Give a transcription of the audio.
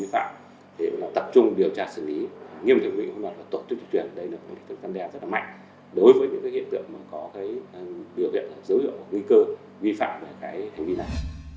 là một vấn đề rất mạnh đối với những hiện tượng có biểu hiện dấu hiệu nguy cơ vi phạm hành vi này